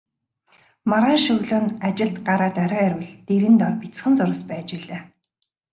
Маргааш өглөө нь ажилд гараад орой ирвэл дэрэн доор бяцхан зурвас байж билээ.